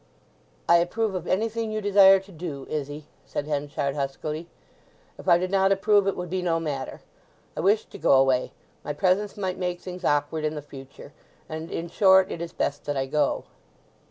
"I approve of anything you desire to do, Izzy," said Henchard huskily. "If I did not approve it would be no matter! I wish to go away. My presence might make things awkward in the future, and, in short, it is best that I go."